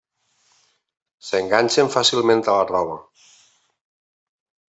S'enganxen fàcilment a la roba.